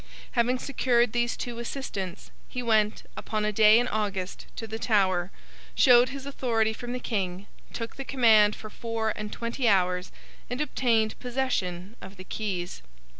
Having secured these two assistants, he went, upon a day in August, to the Tower, showed his authority from the King, took the command for four and twenty hours, and obtained possession of the keys.